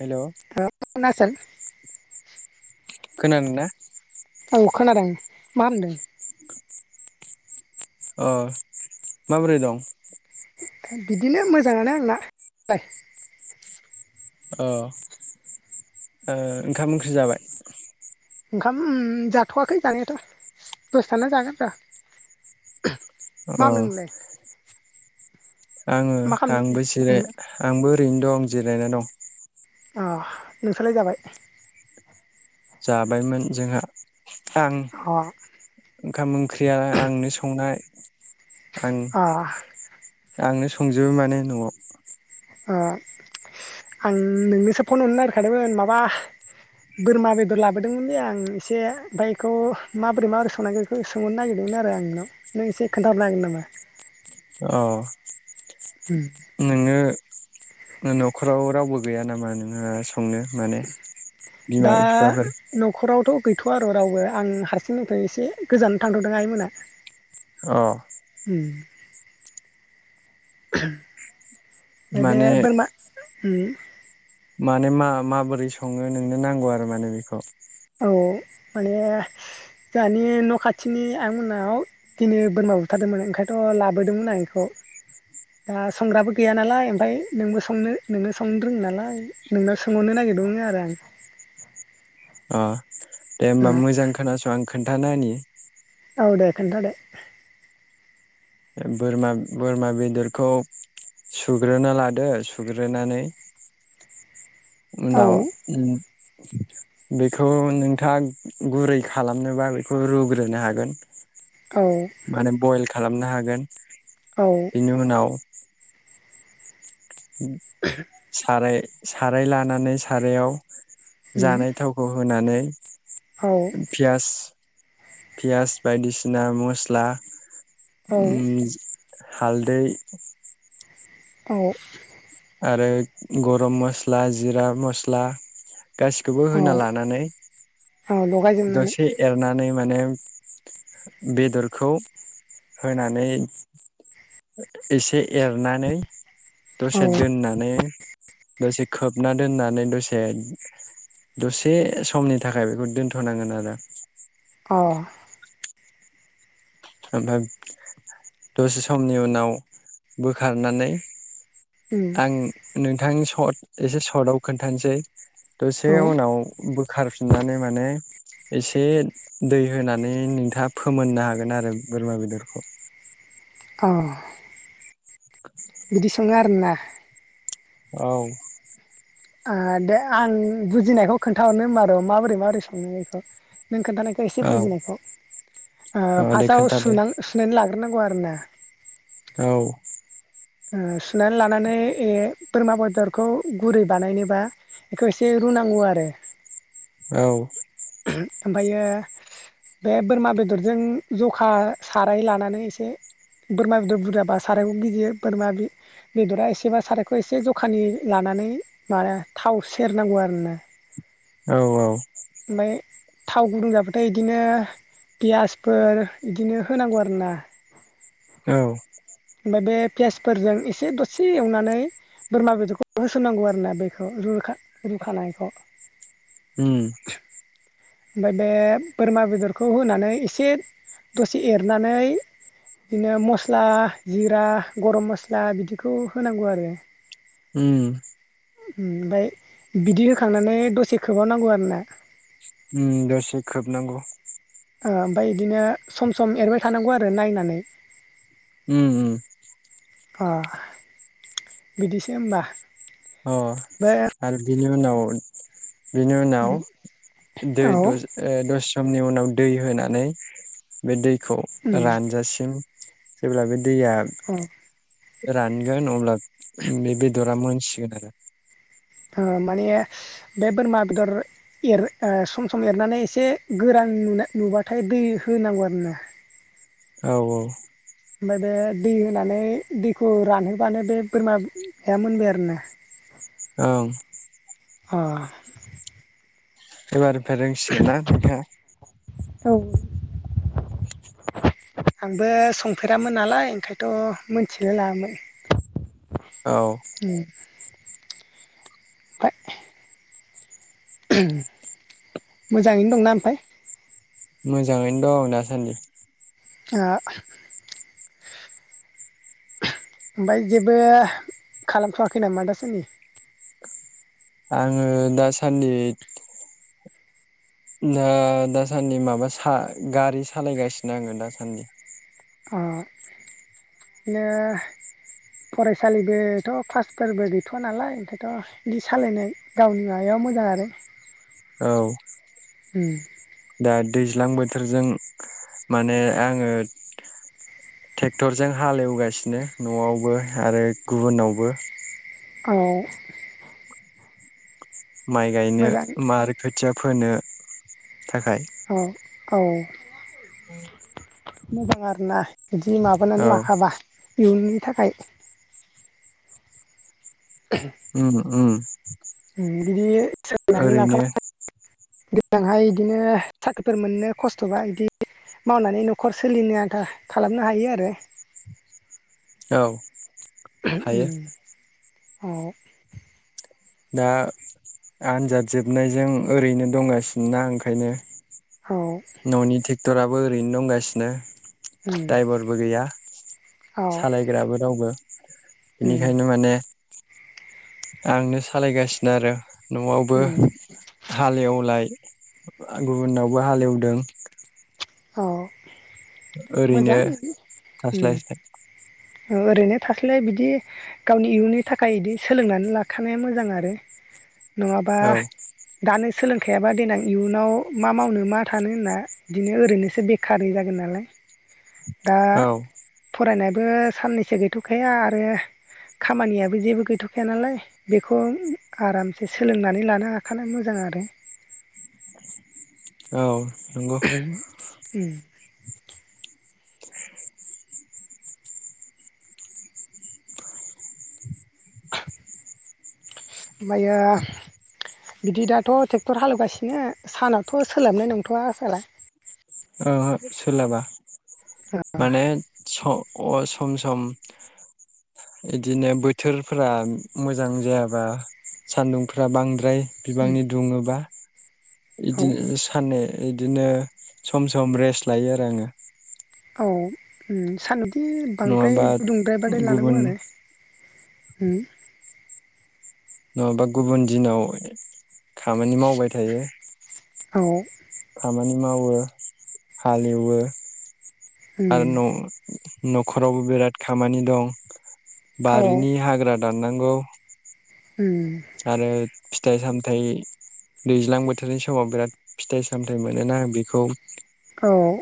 Hello [inaudible] खोनादों ना? औ खोनादों मा हामदों? अ माबोरै दं? बिदिनो मोजाङानो आंना। [inaudible] अ ओ ओंखाम ओंख्रि जाबाय? ओंखाम जाथ'वाखै जानायाथ' दसे थाना जागोन र' अ माम नोंलाय [inaudible] आङो मा आंबो जिराय खालामदों आंबो ओरैनो दं जि जिरायना दं अ नोंसालाय जाबाय? जाबायमोन जोंहा। आं अ ओंखाम ओंख्रिया आंनो संनाय। आं अ आंनो संजोबो माने न'आव अ आं नोंनोसो फन हरनो नागिरखादोंमोन माबा बोरमा बेदर लाबोदोंमोनलै आं एसे ओमफाय एखौ माबोरै माबोरै संनांगौ बेखौ सोंहरनो नागिरदोंमोन आरो आं नोंनाव नों एसे खोन्थाहरनो हागोन नामा? अ उम न' न'खराव रावबो गैया नामा नोङो संनो माने बिमा दा बिफाफोर? न'खरावथ' गैथ'वा आरो रावबो आं हारसिंनिफ्राय एसे गोजान थांथ'दों आइमोना। अ। [inaudible] बे माने बोरमा उम माने मा माबोरै सङो नोंनो नांगौ आरो माने बेखौ? औ माने जोंहानि न' खाथिनि आयं मोननाव दिनै बोरमा बुथारदोंमोन ओंखायनोथ' लाबोदोंमोन आं बेखौ दा संग्राबो गैया नालाय ओमफ्राय नोंबो संनो नोंनो संनो रोङो नालाय नोंनाव सोंहरनो नागिरदोंमोन आरो आं। अ दे होमबा मोजां खोनास आं खोन्थाना होनि। औ दे खोनथा दे। बोरमा बोरमा बेदरखौ सुग्रोना लादो सुग्रोनानै औ उनाव बेखौ नोंथाङा गुरै खालामनोबा बेखौ रुग्रोनो हागोन। औ माने बयेल खालामनो हागोन। औ बेनि उनाव साराय साराय लानानै सारायाव जानाय थावखौ होनानै औ पियास पियास बायदिसिना मस्ला औ उम हालदै औ। आरो गरम मस्ला जिरा मस्ला गासिखौबो औ होना लानानै औ लगायजोबनानै दसे एरना नै माने बेदरखौ होनानै एसे एरनानै औ दसे दोननानै दसे खोबना नानै दसे दसे समनि थाखाय बेखौ दोन थनांगोन आरो। अ ओमफ्राय दसे समनि उनाव बोखारनानै आं नोंथांनि सर्ट एसे सर्टआव खोन्थानोसै दसे औ उनाव खारफिननानै माने एसे दै होनानै नोंथाङा फोमोननो हागोन आरो बोरमा बेदेरखौ औ [inaudible] [inaudible] बिदि संङो आरो ना औ ओ दे आं बुजिनायखौ खोन्थाहरनो होमबा र' माबोरै माबोरै संङो बेखौ नों खोनन्थानायखौ एसे बुजिनायखौ औ ओ दे फार्स्टआव खोन्थादो सां सुनानै लाग्रोनांगौ आरो ना औ ओ सुनानै लानानै बोरमा बेदरखौ गुरै बानायनोबा बेखौ एसे रुनांगौ आरो औ ओमफ्रायो बे बोरमा बेदरजों जखा साराय लानानै एसे बोरमा बेदर बुरजाबा सारायखौ गिदिर बोरमा बेदरा एसेबा सारायखौ एसे जखानि लानानै माबा थाव सेरनांगौ आरो ना औ औ थाव गुदुं जाबाथाय इदिनो पियासफोर इदिनो होनांगौ आरोना औ ओमफाय बे पियासफोरजों एसे दसे एवनानै बोरमा बेदरखौ होसननांगौ आरो ना बेखौ रुखानायखौ उम [inaudible] ओमफाय बे बोरमा बेदरखौ होनानै एसे दसे एरनानै बिदिनो मस्ला जिरा गरम मस्ला बिदिखौ होनांगौ आरो उम ओमफाय बिदि होखांनानै दसे खोबाब नांगौ आरोना उम दसे खोबनांगौ ओ ओमफ्राय बिदिनो सम सम एरबाय थानांगौ आरो नायनानै उम अ बिदिसो होमबा अ बे आरो बिनि उनाव बेनि उनाव दै द ओ औ दसे समनि उनाव दै होनानै बे दै खौ रानजासिम जेब्ला दैैया औ रानगोन अब्ला बे बेदरा मोनसिगोन आरो ओ माने बे बोरमा बेदर एर ओ सम सम एरनानै एसे गोरान नु नुबाथाय दै होनांगौ आरो ना औ औ ओमफाय बे दै होनानै दैखौ रानहोबानो बे बोरमाया मोनबाय आरोना ओं अ। एबार [unintelligible] रोंसिगोना नोंथाङा? औ आंबो संफेरामोन नालाय ओंखायथ' मोनथिलायलाङामोन औ [unintelligible] मोजाङैनो दंना ओमफाय? मोजाङैनो दं दासान्दि। ओ ओमफाय जेबो खालामथ'वाखै नामा दासानदि? आङो दासान्दिथ दा दासान्दि माबा सा गारि सालायगासिनो आङो दासान्दि। अ नो फरायसालिबोथ' क्लासफोरबो गैथ'व नालाय ओंखायथ' इदि सालायनाय गावनि माबायाव मोजां आरो औ उ दा दैज्लां बोथोरजों माने आङो टेक्टरजों हालेवगासिनो न'आवबो आरो गुबुनावबो। औ माइ गायनो मोजां मा आरो खोथिया फोनो थाखाय औ औ मोजां आरोना। बिदि औ माबानानै लाखाबा इयुननि थाखाय [inaudible] उ उ बिदि सोलोंनानै ओरैनो लाखाबाय देनांहाय इदिनो साख्रिफोर मोननो खस्थ'बा इदि मावनानै न'खर सोलिनो आनथा खालामनो हायो आरो। औ हायो उ [inaudible] दा आनजाद जोबनायजों ओरैनो दंगासिनोना ओंखायनो। औ ननि टेक [unintelligible] टराबो ओरैनो दंगासिनो द्राइभारबो गैया औ सालायग्राबो रावबो बेनिखायनो माने आंनो सालायगासिनो आरो न'आवबो हालेवलाय गुबुनावबो हालेवदों औ ओरैनो मोजां थास्लायस्लाय ओरैनो थास्लाय बिदि गावनि इयुननि थाखाय इदि सोलोंनानै लाखानाया मोजां आरो नङाबा औ दानो सोलोंखायाबा देनां इयुनाव मा मावनो मा थानो होनना बिदिनो ओरैनोसो बेखारनि जागोन नालाय दा औ फरायनाय बो साननैसो गैथ'खाया आरो खामानियाबो जेबो गैथ'खाया नालाय बेखौ आरामसे सोलोंनानै लानो हाखानाया मोजां आरो। औ नंगौ। उम। ओमफ्रायो बिदि दाथ' ट्रक्टर हालेवगासिनो सानावथ' सोलाबनाय नंथ'वा आसोला ओहो सोलाबा माने स अ सम सम इदिनो बोथोरफोरा मोजां जायाबा सानदुंफ्रा बांद्राय बिबांनि दुङोबा औ बिदिनो साननि बिदिनो सम सम रेस्ट लायो आरो आङो। औ उम सान ए बांद्राय नङाबा गुदुंद्रायबादाय गुबुन लानांगौ आरो ह नङाबा गुबुन दिनाव खामानि मावबाय थायो। औ खामानि मावो हालेवो आरो न' न'खरावबो बिराद खामानि दं। औ बारिनि हाग्रा दाननांगौ उम आरो फिथाइ सामथाइ दैज्लां बोथोरनि समाव बिराद फिथाइ सामथाइ मोनोना बेखौ औ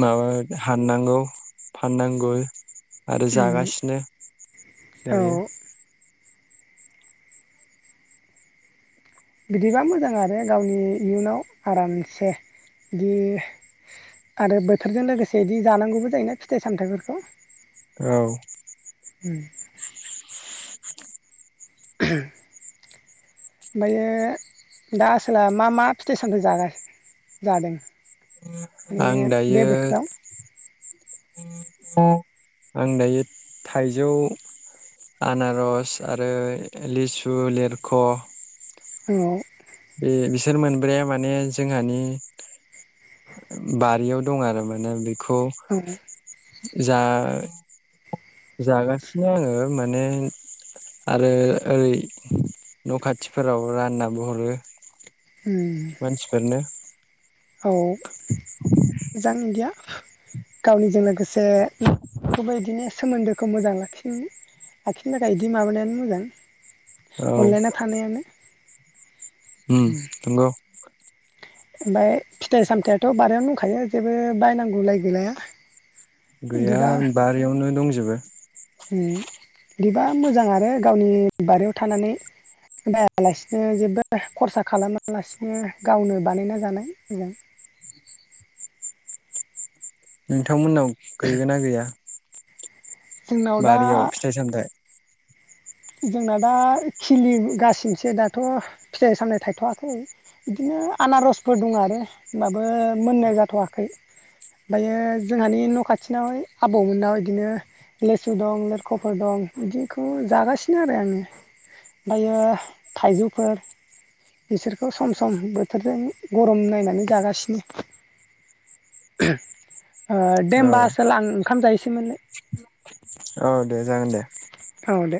माबा हाननांगौ फाननांगौ। आरो औ जागासिनो औ दायो। बिदिबा मोजां आरो गावनि इयुनाव आरामसे बिदि आरो बोथोरजों लोगोसे बिदि जानांगौबो जायोना फिथाइ सामथाइफोरखौ। औ उ ओमफ्रायो दा आसोला मा मा फिथाइ सामथाइ जागा जादों? माने आं बे दायो बोथोराव आं दायो थाइजौ, आनारस आरो लिसु, लिरख' औ बे बिसोर मोनब्रैया माने जोंहानि बारियाव दं आरो माने बेखौ औ खौ जा जागासिनो आङो माने आरो ओरै न खाथिफोराव राननाबो हरो। मानसिफोरनो। औ। [unintelligible] गावनिजों लोगोसेखौबो बिदिनो सोमोन्दोखौ मोजां लाखि लाखिनो थाखाय इदि माबानायानो मोजां। औ अनलायना थानायानो। उम नोंगौ। ओमफय फिथाइ सामथायाइाथ बारियावनो दंखायो जेबो बायनांगौलाय गैलाया। गैया बिदिबा बारियावनो दंजोबो। उम दिबा मोजां आरो गावनि बारियाव थानानै बायालासिनो जेबो खरसा खालामा लासिनो गावनो बानायना जानाय मोजां। नोंथांमोननाव गैगोना गैया? जोंनाव दा बारियाव फिथाइ सामथायाइ। जोंना दा खिलिगासिनोसो दाथ फिथाइ साम थायथवाखै बिदिनो आनारसफोर दं आरो होनबाबो मोननाय जाथवाखै ओमफायो जोंहानि न खाथिनावहाय आबौमोननाव बिदिनो लेसु दं लिरखफोर दं बिदिखौ जागासिनो। नो आरो आङो ओमफायो थाइजौफोर बिसोरखौ सम सम बोथोरजों गरम नायनानै जागासिनो ओ दे औ होमबा आसोल आं ओंखाम जायोसैमोनलै। औ दे जागोन दे। अ दे।